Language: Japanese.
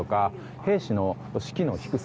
兵士の士気の低さ。